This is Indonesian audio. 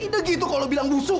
ide gitu kalau bilang busuk